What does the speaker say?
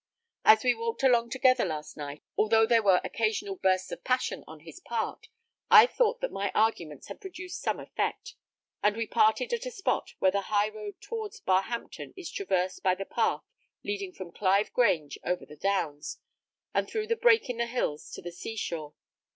As we walked along together last night, although there were occasional bursts of passion on his part, I thought that my arguments had produced some effect, and we parted at a spot where the high road towards Barhampton is traversed by the path leading from Clive Grange over the downs, and through the brake in the hills to the sea shore.